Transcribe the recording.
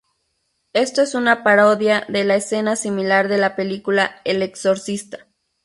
Esto es una parodia de la escena similar de la película "El exorcista".